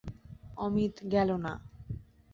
অমিত গেল না।